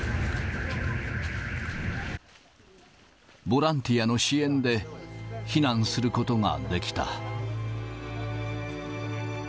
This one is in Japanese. ボランティアの支援で避難することができた。